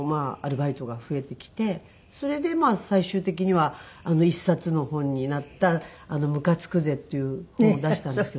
それで最終的には一冊の本になった『むかつくぜ！』っていう本を出したんですけど。